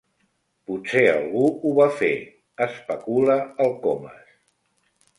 Potser algú ho va fer —especula el Comas—.